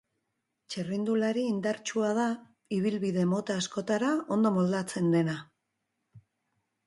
Txirrindulari indartsua da, ibilbide mota askotara ondo moldatzen dena.